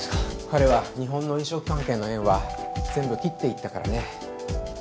彼は日本の飲食関係の縁は全部切って行ったからね。